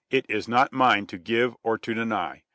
It is not mine to give or to deny.